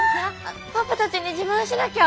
パパたちに自慢しなきゃ！